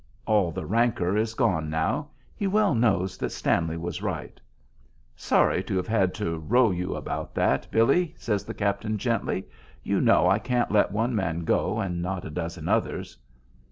All the rancor is gone now. He well knows that Stanley was right. "Sorry to have had to 'row' you about that, Billy," says the captain, gently. "You know I can't let one man go and not a dozen others."